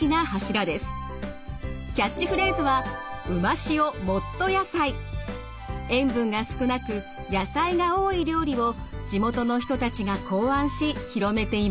キャッチフレーズは塩分が少なく野菜が多い料理を地元の人たちが考案し広めています。